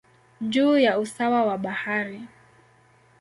juu ya usawa wa bahari.